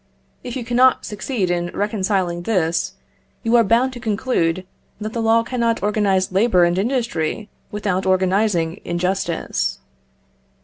If you cannot succeed in reconciling this, you are bound to conclude that the law cannot organise labour and industry without organising injustice.